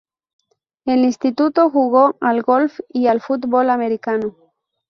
En el instituto, jugó al golf y al fútbol americano.